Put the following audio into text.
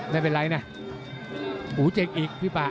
ไม่เป็นไรนะหมูเจ๋งอีกพี่ป่า